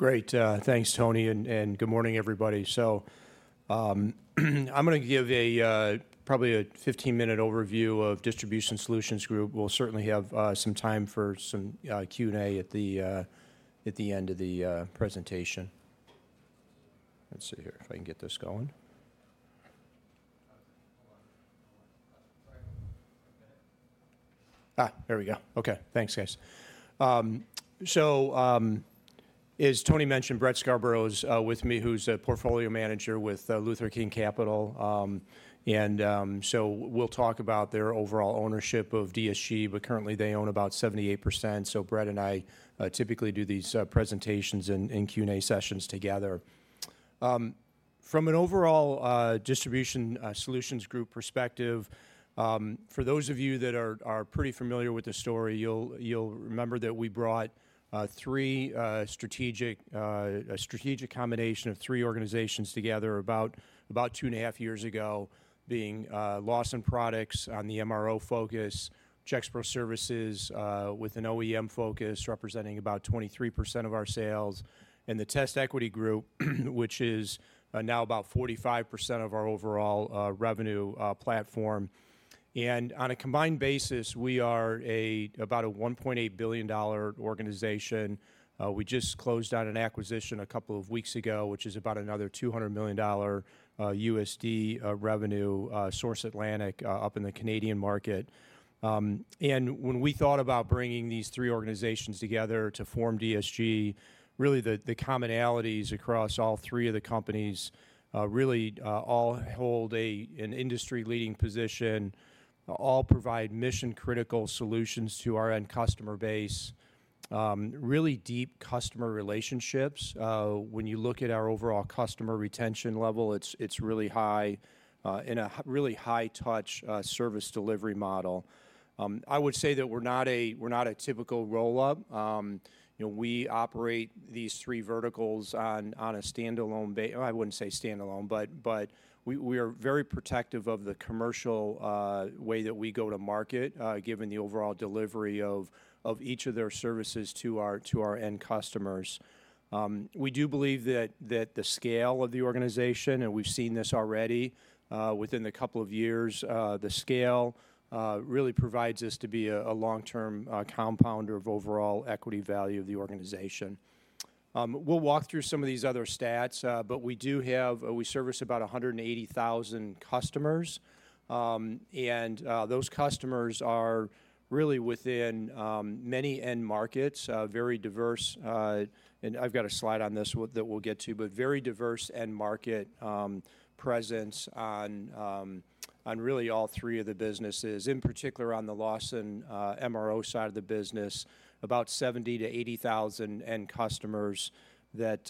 Great, thanks, Tony, and good morning, everybody. So, I'm gonna give probably a 15 minutes overview of Distribution Solutions Group. We'll certainly have some time for some Q&A at the end of the presentation. Let's see here, if I can get this going. Ah, there we go. Okay. Thanks, guys. So, as Tony mentioned, Brett Scarborough is with me, who's a portfolio manager with Luther King Capital. And, so we'll talk about their overall ownership of DSG, but currently, they own about 78%, so Brett and I typically do these presentations and Q&A sessions together. From an overall Distribution Solutions Group perspective, for those of you that are pretty familiar with the story, you'll remember that we brought a strategic combination of three organizations together about two and a half years ago, being Lawson Products on the MRO focus, Gexpro Services with an OEM focus, representing about 23% of our sales, and the TestEquity Group, which is now about 45% of our overall revenue platform. And on a combined basis, we are about a $1.8 billion organization. We just closed out an acquisition a couple of weeks ago, which is about another $200 million USD revenue, Source Atlantic up in the Canadian market. And when we thought about bringing these three organizations together to form DSG, really, the commonalities across all three of the companies really all hold an industry-leading position, all provide mission-critical solutions to our end customer base. Really deep customer relationships. When you look at our overall customer retention level, it's really high, and a really high touch service delivery model. I would say that we're not a typical roll-up. You know, we operate these three verticals on a standalone ba-- I wouldn't say standalone, but we are very protective of the commercial way that we go to market, given the overall delivery of each of their services to our end customers. We do believe that the scale of the organization, and we've seen this already, within a couple of years, the scale really provides us to be a long-term compounder of overall equity value of the organization. We'll walk through some of these other stats, but we do have... We service about 180,000 customers, and those customers are really within many end markets, a very diverse... And I've got a slide on this, that we'll get to, but very diverse end market presence on, on really all three of the businesses, in particular on the Lawson MRO side of the business, about 70,000-80,000 end customers that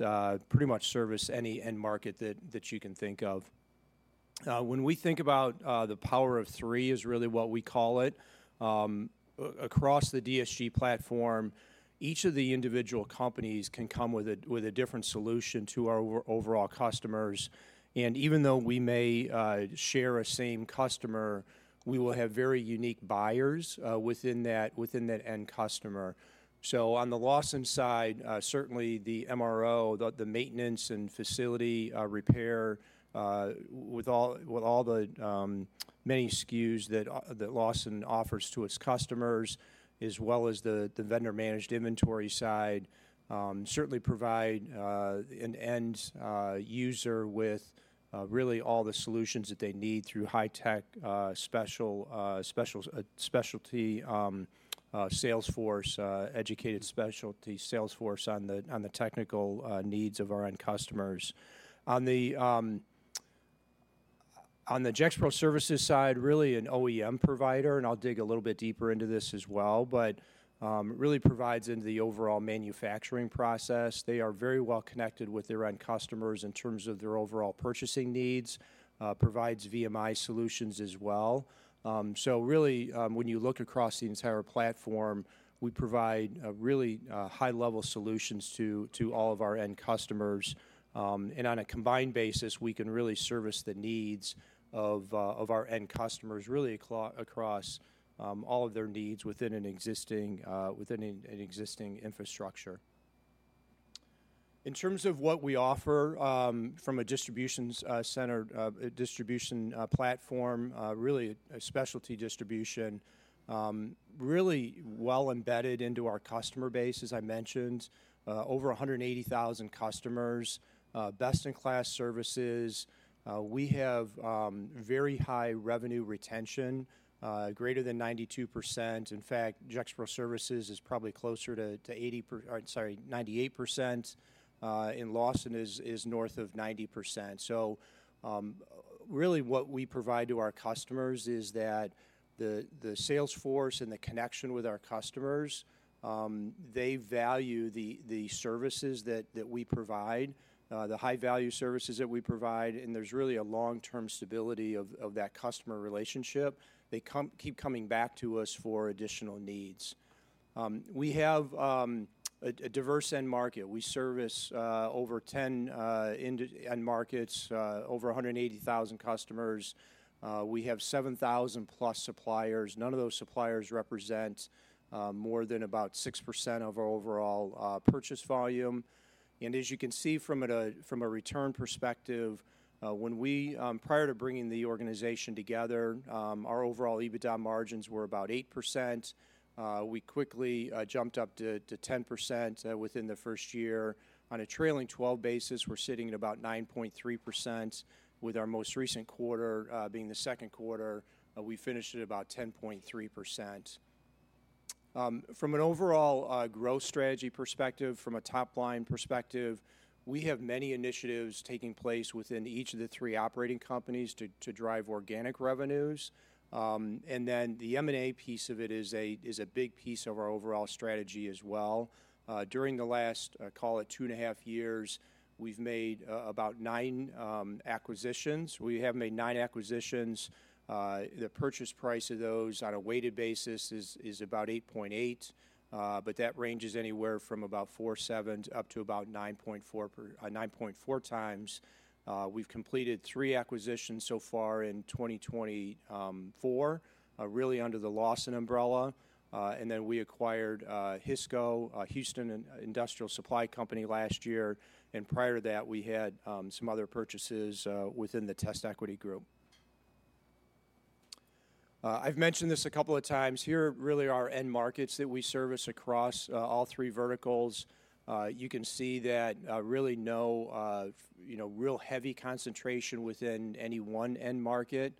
pretty much service any end market that you can think of. When we think about the power of three is really what we call it across the DSG platform, each of the individual companies can come with a different solution to our overall customers, and even though we may share a same customer, we will have very unique buyers within that end customer. So on the Lawson side, certainly the MRO, the maintenance and facility repair with all the many SKUs that Lawson offers to its customers, as well as the vendor-managed inventory side, certainly provide an end user with really all the solutions that they need through high-tech specialty sales force, educated specialty sales force on the technical needs of our end customers. On the, on the Gexpro Services side, really an OEM provider, and I'll dig a little bit deeper into this as well, but, really provides into the overall manufacturing process. They are very well connected with their end customers in terms of their overall purchasing needs, provides VMI solutions as well. So really, when you look across the entire platform, we provide a really, high-level solutions to, to all of our end customers. And on a combined basis, we can really service the needs of, of our end customers, really across, all of their needs within an existing infrastructure. In terms of what we offer, from a distribution center, distribution platform, really a specialty distribution, really well embedded into our customer base, as I mentioned, over 180,000 customers, best-in-class services. We have very high revenue retention, greater than 92%. In fact, Gexpro Services is probably closer to 98%, and Lawson is north of 90%. So, really what we provide to our customers is that the sales force and the connection with our customers, they value the services that we provide, the high-value services that we provide, and there's really a long-term stability of that customer relationship. They keep coming back to us for additional needs. We have a diverse end market. We service over 10 end markets, over 180,000 customers. We have 7,000+ suppliers. None of those suppliers represent more than about 6% of our overall purchase volume. And as you can see from a return perspective, when we prior to bringing the organization together, our overall EBITDA margins were about 8%. We quickly jumped up to 10% within the first year. On a trailing 12 basis, we're sitting at about 9.3%, with our most recent quarter being the Q2, we finished at about 10.3%. From an overall growth strategy perspective, from a top-line perspective, we have many initiatives taking place within each of the three operating companies to drive organic revenues. And then the M&A piece of it is a big piece of our overall strategy as well. During the last, call it two and a half years, we've made about nine acquisitions. We have made nine acquisitions. The purchase price of those on a weighted basis is about 8.8, but that ranges anywhere from about 4.7 up to about 9.4 times. We've completed three acquisitions so far in 2024, really under the Lawson umbrella. And then we acquired Hisco, Houston Industrial Supply Company last year, and prior to that, we had some other purchases within the TestEquity group. I've mentioned this a couple of times. Here are really our end markets that we service across all three verticals. You can see that really no, you know, real heavy concentration within any one end market.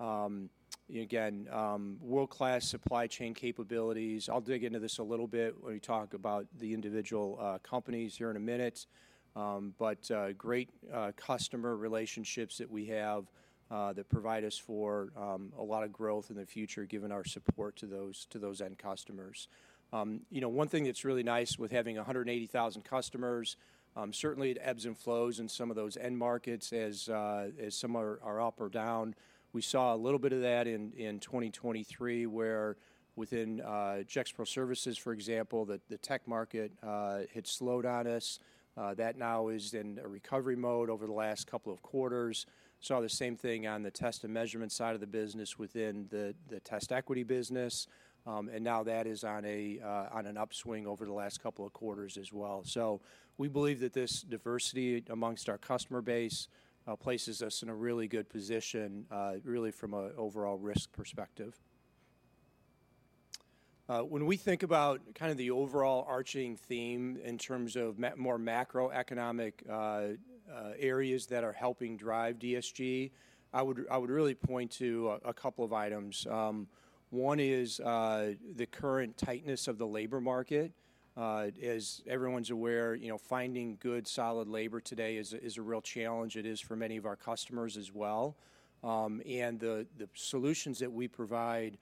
Again, world-class supply chain capabilities. I'll dig into this a little bit when we talk about the individual companies here in a minute. But great customer relationships that we have that provide us for a lot of growth in the future, given our support to those end customers. You know, one thing that's really nice with having a 180,000 customers, certainly it ebbs and flows in some of those end markets as some are up or down. We saw a little bit of that in 2023, where within Gexpro Services, for example, the tech market had slowed on us. That now is in a recovery mode over the last couple of quarters. Saw the same thing on the test and measurement side of the business within the TestEquity business, and now that is on an upswing over the last couple of quarters as well. So we believe that this diversity among our customer base places us in a really good position, really from an overall risk perspective. When we think about kind of the overall overarching theme in terms of more macroeconomic areas that are helping drive DSG, I would really point to a couple of items. One is the current tightness of the labor market. As everyone's aware, you know, finding good, solid labor today is a real challenge. It is for many of our customers as well. And the solutions that we provide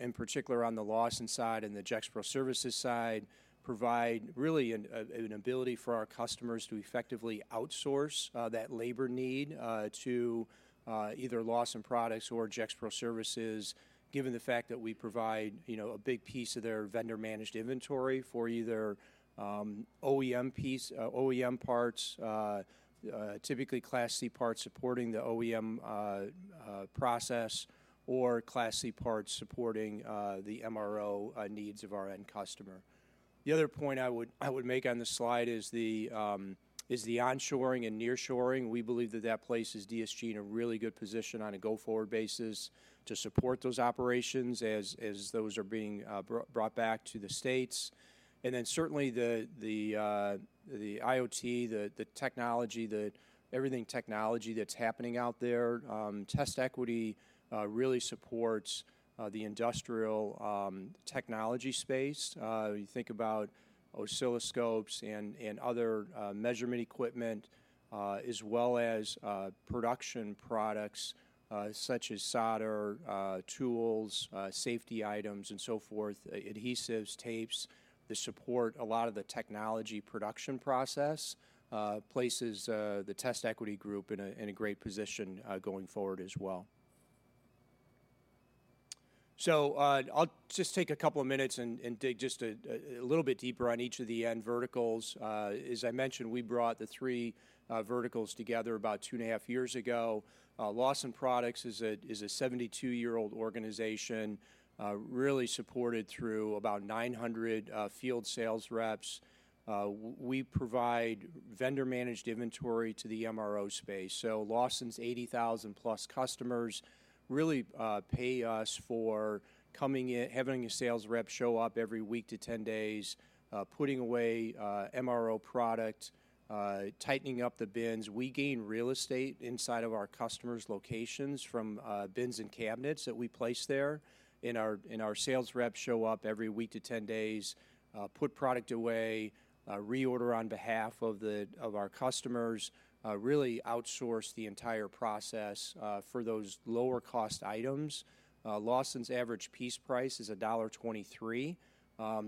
in particular on the Lawson side and the Gexpro Services side provide really an ability for our customers to effectively outsource that labor need to either Lawson Products or Gexpro Services, given the fact that we provide, you know, a big piece of their vendor-managed inventory for either OEM parts, typically Class C parts supporting the OEM process or Class C parts supporting the MRO needs of our end customer. The other point I would make on this slide is the onshoring and nearshoring. We believe that that places DSG in a really good position on a go-forward basis to support those operations as those are being brought back to the States. And then certainly the IoT, the technology, everything technology that's happening out there, TestEquity really supports the industrial technology space. You think about oscilloscopes and other measurement equipment as well as production products such as solder tools, safety items, and so forth, adhesives, tapes, that support a lot of the technology production process, places the TestEquity group in a great position going forward as well. So, I'll just take a couple of minutes and dig just a little bit deeper on each of the end verticals. As I mentioned, we brought the three verticals together about two and a half years ago. Lawson Products is a 72-year-old organization, really supported through about 900 field sales reps. We provide vendor-managed inventory to the MRO space. So Lawson's 80,000+ customers really pay us for coming in, having a sales rep show up every week to 10 days, putting away MRO product, tightening up the bins. We gain real estate inside of our customers' locations from bins and cabinets that we place there. Our sales reps show up every week to 10 days, put product away, reorder on behalf of our customers, really outsource the entire process for those lower-cost items. Lawson's average piece price is $1.23.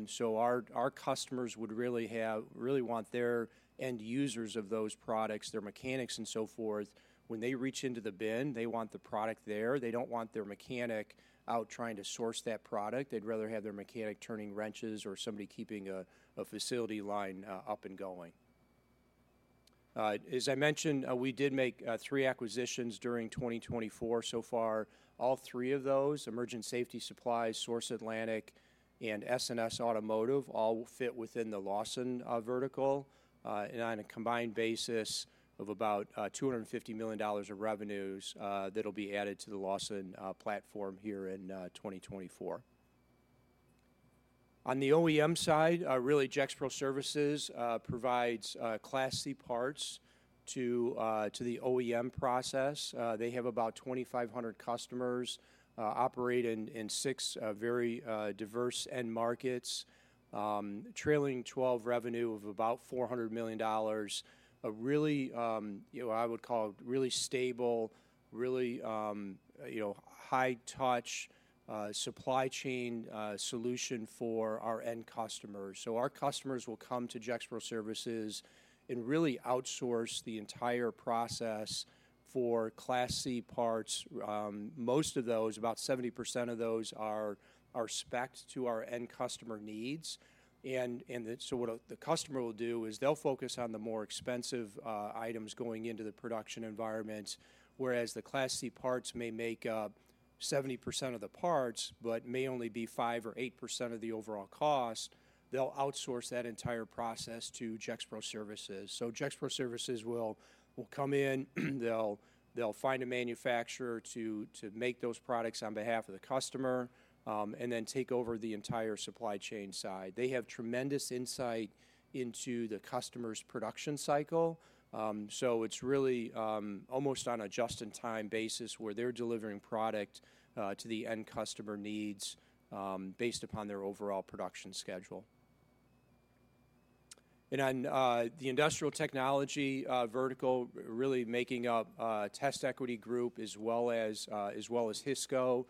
So our customers would really want their end users of those products, their mechanics and so forth, when they reach into the bin, they want the product there. They don't want their mechanic out trying to source that product. They'd rather have their mechanic turning wrenches or somebody keeping a facility line up and going. As I mentioned, we did make three acquisitions during 2024 so far. All three of those, Emergent Safety Supply, Source Atlantic, and S&S Automotive, all fit within the Lawson vertical, and on a combined basis of about $250 million of revenues, that'll be added to the Lawson platform here in 2024. On the OEM side, really Gexpro Services provides Class C parts to the OEM process. They have about 2,500 customers, operate in six very diverse end markets. Trailing 12 revenue of about $400 million. A really, you know, I would call it really stable, really, you know, high-touch supply chain solution for our end customers. So our customers will come to Gexpro Services and really outsource the entire process for Class C parts. Most of those, about 70% of those, are specced to our end customer needs. And so what the customer will do is they'll focus on the more expensive items going into the production environment, whereas the Class C parts may make up 70% of the parts, but may only be 5% or 8% of the overall cost. They'll outsource that entire process to Gexpro Services. Gexpro Services will come in. They'll find a manufacturer to make those products on behalf of the customer, and then take over the entire supply chain side. They have tremendous insight into the customer's production cycle. It's really almost on a just-in-time basis, where they're delivering product to the end customer needs based upon their overall production schedule. On the industrial technology vertical, really making up TestEquity Group as well as Hisco,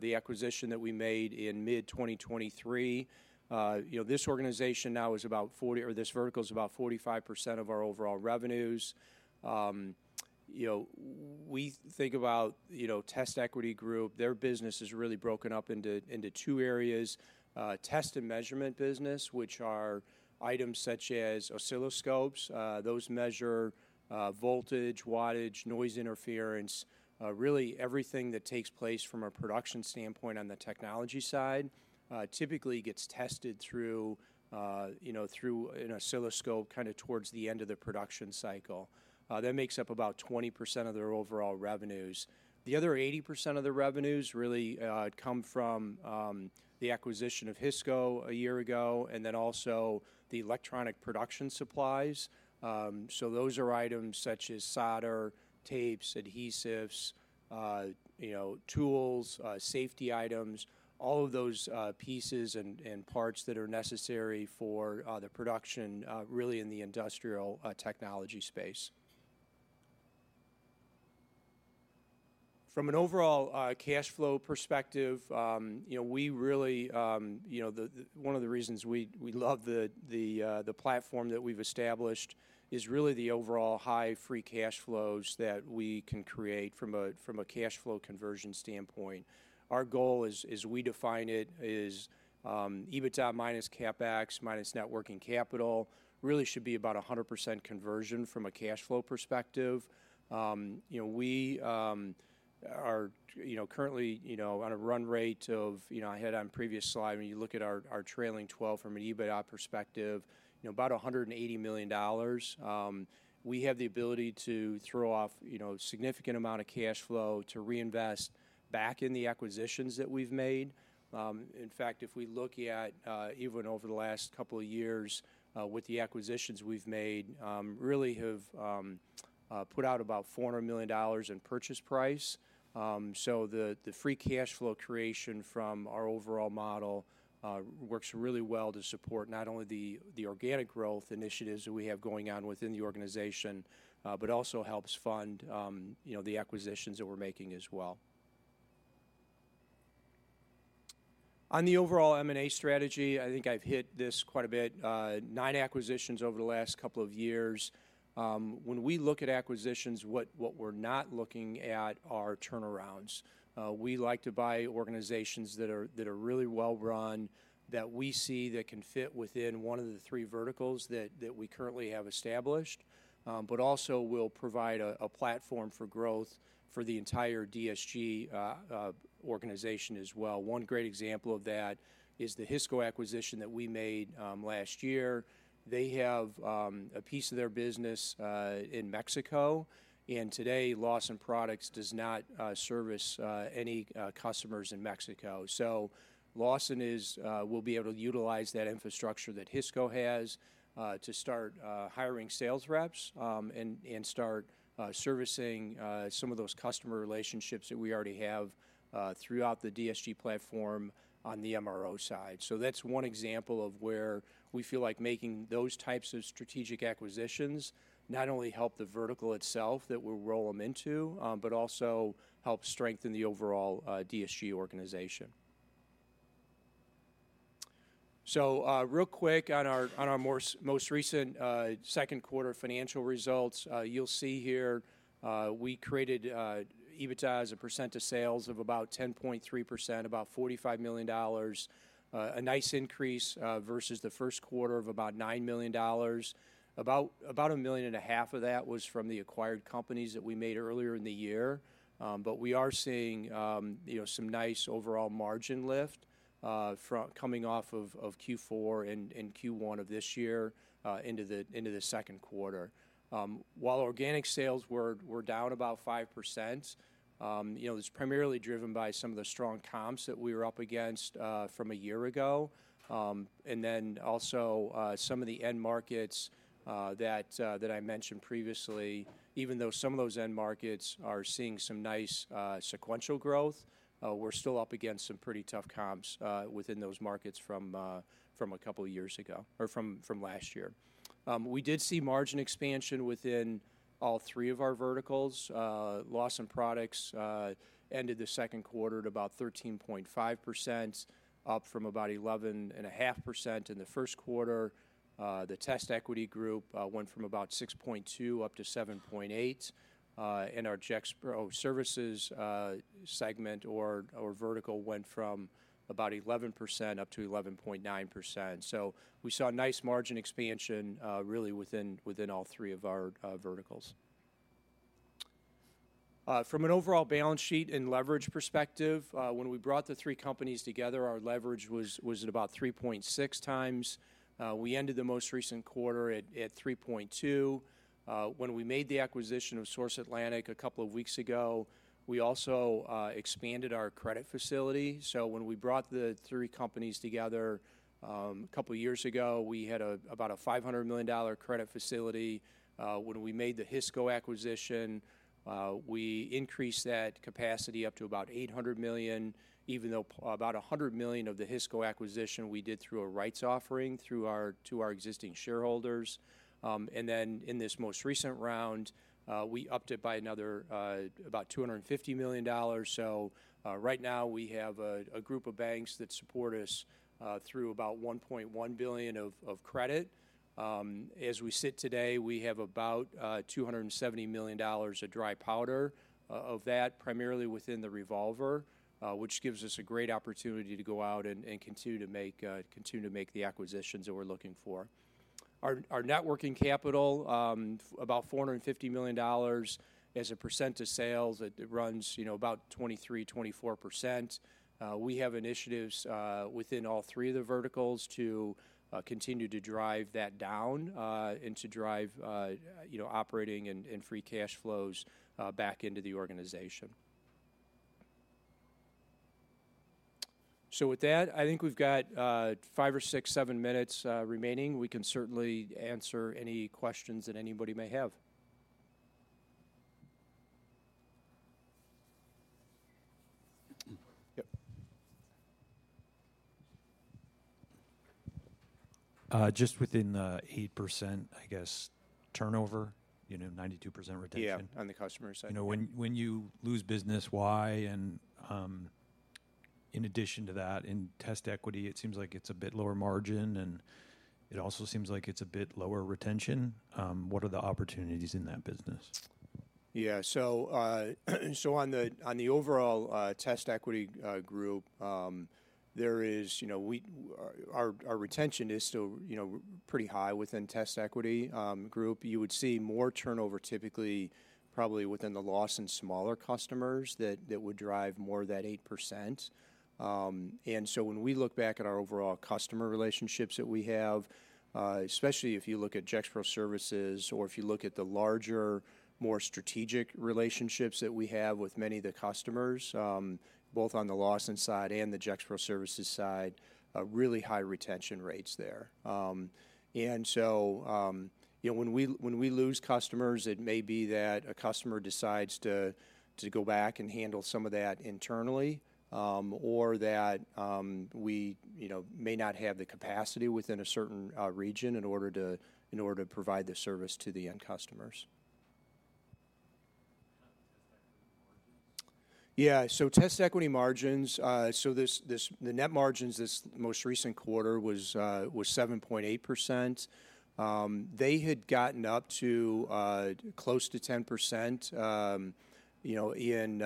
the acquisition that we made in mid-2023. You know, this vertical is about 45% of our overall revenues. You know, we think about TestEquity Group. Their business is really broken up into two areas. Test and measurement business, which are items such as oscilloscopes. Those measure voltage, wattage, noise interference. Really, everything that takes place from a production standpoint on the technology side typically gets tested through, you know, through an oscilloscope kinda towards the end of the production cycle. That makes up about 20% of their overall revenues. The other 80% of the revenues really come from the acquisition of Hisco a year ago, and then also the electronic production supplies. So those are items such as solder, tapes, adhesives, you know, tools, safety items, all of those pieces and parts that are necessary for the production really in the industrial technology space. From an overall cash flow perspective, you know, we really you know... The one of the reasons we love the platform that we've established is really the overall high free cash flows that we can create from a cash flow conversion standpoint. Our goal as we define it is EBITDA minus CapEx minus net working capital really should be about 100% conversion from a cash flow perspective. You know, we are currently on a run rate of. You know, I had on a previous slide, when you look at our trailing 12 from an EBITDA perspective, you know, about $180 million. We have the ability to throw off, you know, a significant amount of cash flow to reinvest back in the acquisitions that we've made. In fact, if we look at even over the last couple of years with the acquisitions we've made, really have put out about $400 million in purchase price. So the free cash flow creation from our overall model works really well to support not only the organic growth initiatives that we have going on within the organization, but also helps fund you know the acquisitions that we're making as well. On the overall M&A strategy, I think I've hit this quite a bit. Nine acquisitions over the last couple of years. When we look at acquisitions, what we're not looking at are turnarounds. We like to buy organizations that are really well-run, that we see that can fit within one of the three verticals that we currently have established, but also will provide a platform for growth for the entire DSG organization as well. One great example of that is the Hisco acquisition that we made last year. They have a piece of their business in Mexico, and today, Lawson Products does not service any customers in Mexico. So Lawson will be able to utilize that infrastructure that Hisco has to start hiring sales reps and start servicing some of those customer relationships that we already have throughout the DSG platform on the MRO side. So that's one example of where we feel like making those types of strategic acquisitions not only help the vertical itself that we'll roll them into, but also help strengthen the overall, DSG organization. So, real quick on our most recent, Q2 financial results, you'll see here, we created EBITDA as a percent of sales of about 10.3%, about $45 million. A nice increase, versus the Q1 of about $9 million. About a 1,500,000 of that was from the acquired companies that we made earlier in the year. But we are seeing, you know, some nice overall margin lift, coming off of Q4 and Q1 of this year, into the Q2. While organic sales were down about 5%, you know, it's primarily driven by some of the strong comps that we were up against from a year ago, and then also some of the end markets that I mentioned previously, even though some of those end markets are seeing some nice sequential growth, we're still up against some pretty tough comps within those markets from a couple years ago or from last year. We did see margin expansion within all three of our verticals. Lawson Products ended the Q2 at about 13.5%, up from about 11.5% in the Q1. The TestEquity Group went from about 6.2 up to 7.8. And our Gexpro Services segment or vertical went from about 11% up to 11.9%. So we saw a nice margin expansion, really within all three of our verticals. From an overall balance sheet and leverage perspective, when we brought the three companies together, our leverage was at about 3.6 times. We ended the most recent quarter at 3.2. When we made the acquisition of Source Atlantic a couple of weeks ago, we also expanded our credit facility. So when we brought the three companies together, a couple of years ago, we had about a $500 million credit facility. When we made the Hisco acquisition, we increased that capacity up to about $800 million, even though about $100 million of the Hisco acquisition we did through a rights offering to our existing shareholders, and then in this most recent round, we upped it by another about $250 million. So right now, we have a group of banks that support us through about $1.1 billion of credit. As we sit today, we have about $270 million of dry powder, of that primarily within the revolver, which gives us a great opportunity to go out and continue to make the acquisitions that we're looking for. Our net working capital, about $450 million. As a percent of sales, it runs, you know, about 23%-24%. We have initiatives within all three of the verticals to continue to drive that down and to drive, you know, operating and free cash flows back into the organization. With that, I think we've got five or six, seven minutes remaining. We can certainly answer any questions that anybody may have. Yep. Just within the 8%, I guess, turnover, you know, 92% retention- Yeah, on the customer side. You know, when you lose business, why? And, in addition to that, in TestEquity, it seems like it's a bit lower margin, and it also seems like it's a bit lower retention. What are the opportunities in that business? Yeah. So, on the overall TestEquity group, there is. You know, we, our retention is still, you know, pretty high within TestEquity group. You would see more turnover, typically, probably within the Lawson smaller customers, that would drive more of that 8%. And so when we look back at our overall customer relationships that we have, especially if you look at Gexpro Services or if you look at the larger, more strategic relationships that we have with many of the customers, both on the Lawson side and the Gexpro Services side, really high retention rates there. And so, you know, when we lose customers, it may be that a customer decides to go back and handle some of that internally, or that we, you know, may not have the capacity within a certain region in order to provide the service to the end customers. On the TestEquity margins? Yeah, so TestEquity margins, so this. The net margins this most recent quarter was 7.8%. They had gotten up to close to 10%, you know, in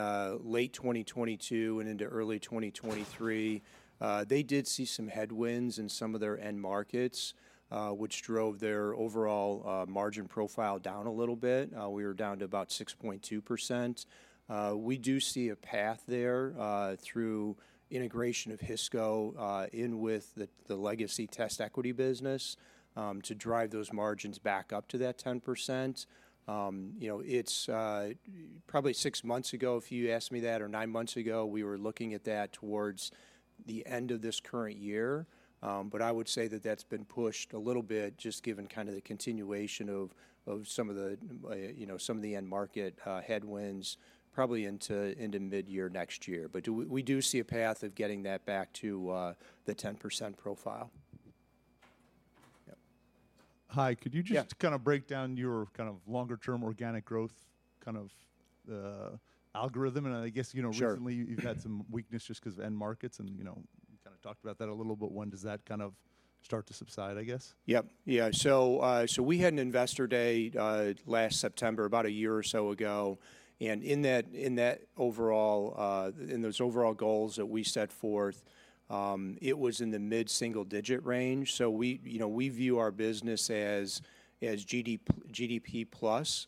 late 2022 and into early 2023. They did see some headwinds in some of their end markets, which drove their overall margin profile down a little bit. We were down to about 6.2%. We do see a path there, through integration of Hisco in with the legacy TestEquity business, to drive those margins back up to that 10%. You know, it's probably six months ago, if you asked me that, or nine months ago, we were looking at that towards the end of this current year. But I would say that that's been pushed a little bit, just given kind of the continuation of some of the, you know, some of the end market headwinds, probably into end of mid-year next year. But we do see a path of getting that back to the 10% profile.... Hi, could you just- Yeah kind of break down your kind of longer-term organic growth, kind of, algorithm? And I guess, you know- Sure Recently, you've had some weakness just 'cause of end markets, and, you know, you kinda talked about that a little, but when does that kind of start to subside, I guess? Yep. Yeah, so we had an Investor Day last September, about a year or so ago, and in that overall, in those overall goals that we set forth, it was in the mid-single-digit range. So we, you know, we view our business as GDP+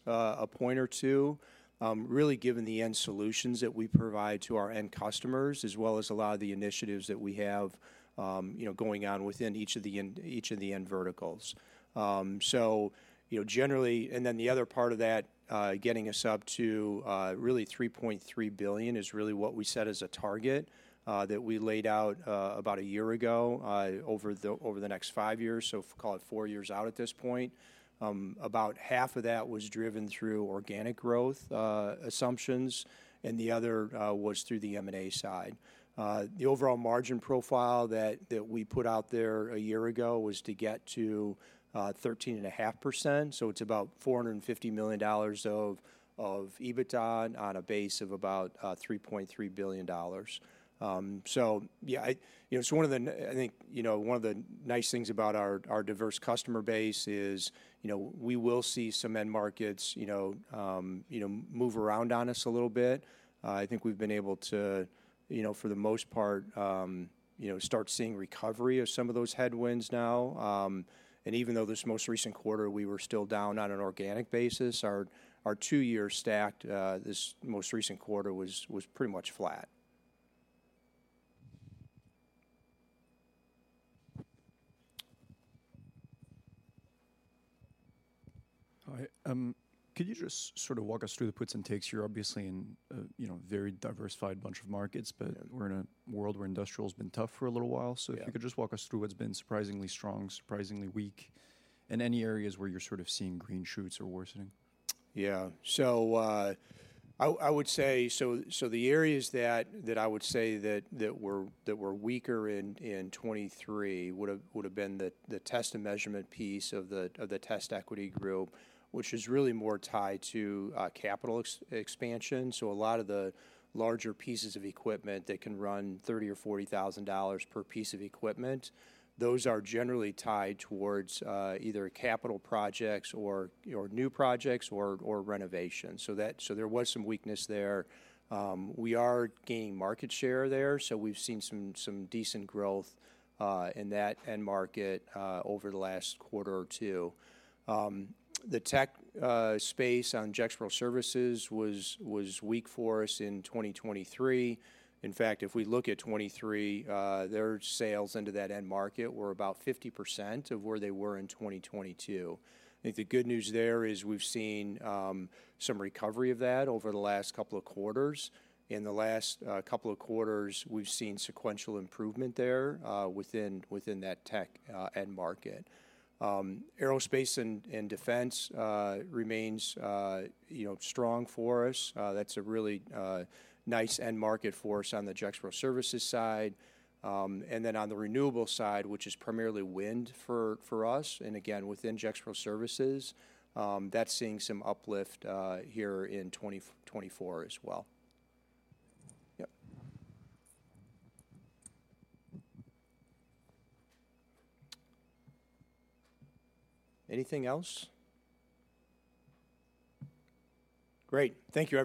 a point or two, really given the end solutions that we provide to our end customers, as well as a lot of the initiatives that we have, you know, going on within each of the end verticals. So you know, generally... And then the other part of that, getting us up to really $3.3 billion is really what we set as a target that we laid out about a year ago over the next five years, so call it four years out at this point. About half of that was driven through organic growth assumptions, and the other was through the M&A side. The overall margin profile that we put out there a year ago was to get to 13.5%, so it's about $450 million of EBITDA on a base of about $3.3 billion. So yeah, I... You know, so I think, you know, one of the nice things about our diverse customer base is, you know, we will see some end markets, you know, move around on us a little bit. I think we've been able to, you know, for the most part, you know, start seeing recovery of some of those headwinds now. And even though this most recent quarter we were still down on an organic basis, our two-year stacked this most recent quarter was pretty much flat. Hi, could you just sort of walk us through the puts and takes? You're obviously in a, you know, very diversified bunch of markets- Yeah. but we're in a world where industrial's been tough for a little while. Yeah. If you could just walk us through what's been surprisingly strong, surprisingly weak, and any areas where you're sort of seeing green shoots or worsening? Yeah. So, I would say, so the areas that I would say that were weaker in 2023 would've been the test and measurement piece of the TestEquity Group, which is really more tied to capital expansion. So a lot of the larger pieces of equipment that can run $30,000-$40,000 per piece of equipment, those are generally tied towards either capital projects or new projects or renovations. So there was some weakness there. We are gaining market share there, so we've seen some decent growth in that end market over the last quarter or two. The tech space on Gexpro Services was weak for us in 2023. In fact, if we look at 2023, their sales into that end market were about 50% of where they were in 2022. I think the good news there is we've seen some recovery of that over the last couple of quarters. In the last couple of quarters, we've seen sequential improvement there within that tech end market. Aerospace and defense remains you know strong for us. That's a really nice end market for us on the Gexpro Services side. And then on the renewables side, which is primarily wind for us, and again, within Gexpro Services, that's seeing some uplift here in 2024 as well. Yep. Anything else? Great. Thank you.